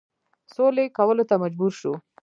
سولي کولو ته مجبور شو.